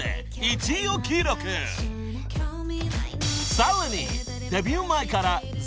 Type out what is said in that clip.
［さらに］